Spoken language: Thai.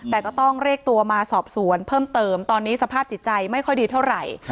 แต่ก็ต้องเรียกตัวมาสอบสวนเพิ่มเติมตอนนี้สภาพจิตใจไม่ค่อยดีเท่าไหร่